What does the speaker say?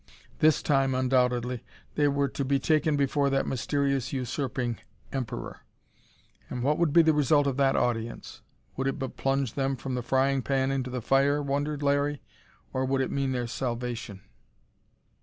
This time, undoubtedly, they were to be taken before that mysterious usurping emperor. And what would be the result of that audience? Would it but plunge them from the frying pan into the fire, wondered Larry, or would it mean their salvation?